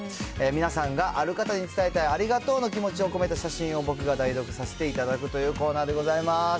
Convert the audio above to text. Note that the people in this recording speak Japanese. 皆さんがある方に伝えたいありがとうの気持ちを込めた写真を僕が代読させていただくというコーナーでございます。